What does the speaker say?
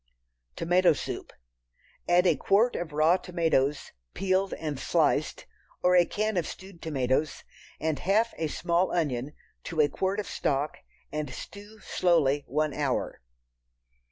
Tomato Soup. Add a quart of raw tomatoes, peeled and sliced, or a can of stewed tomatoes, and half a small onion to a quart of stock, and stew slowly one hour.